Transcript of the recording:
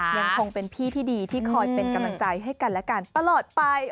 ยังคงเป็นพี่ที่ดีที่คอยเป็นกำลังใจให้กันและกันตลอดไป